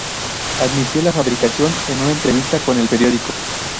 Admitió la fabricación en una entrevista con el periódico.